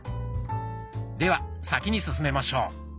では先に進めましょう。